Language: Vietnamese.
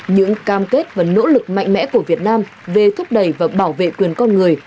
những cam kết và nỗ lực mạnh mẽ của việt nam về thúc đẩy và bảo vệ quyền con người